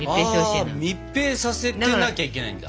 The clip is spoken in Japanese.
ああ密閉させてなきゃいけないんだ。